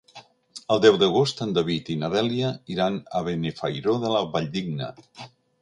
El deu d'agost en David i na Dèlia iran a Benifairó de la Valldigna.